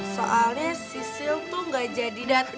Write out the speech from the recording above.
soalnya sisil tuh gak jadi datang